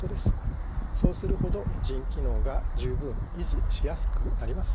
そうするほど腎機能が十分維持しやすくなります。